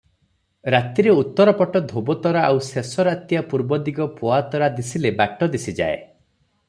ରାତିରେ ଉତ୍ତରପଟ ଧୋବତରା ଆଉ ଶେଷ ରାତିଆ ପୂର୍ବଦିଗ ପୋଆତରା ଦିଶିଲେ ବାଟ ଦିଶିଯାଏ ।